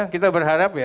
kita berharap ya